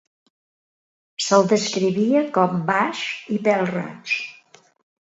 Se'l descrivia com baix i pèl-roig.